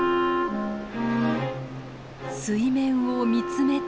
水面を見つめて。